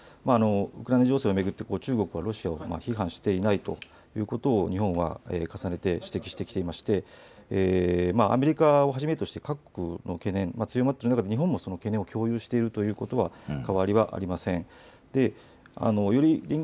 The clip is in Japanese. ウクライナ情勢を巡って中国はロシアを批判していないということを日本は重ねて指摘してきていましてアメリカをはじめとして各国の懸念が強まっている、日本もその懸念を共有しているということは変わりはありません。